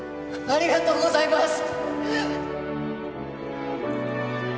ありがとうございます！